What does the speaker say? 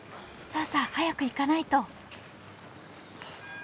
さあさあ早く行かないと。